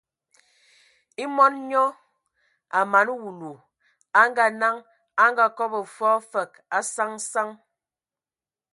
E mɔn nyɔ a mana wulu, a ngaa-naŋ, a kɔbɔgɔ fɔɔ fəg a saŋ saŋ saŋ.